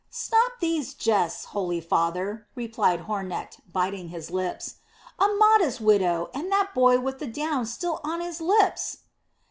"Stop these jests, holy father," replied Hornecht, biting his lips. "A modest widow, and that boy with the down still on his lips."